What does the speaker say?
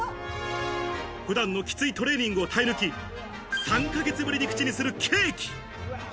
普段のきついトレーニングを耐え抜き、３ヶ月ぶりに口にするケーキ。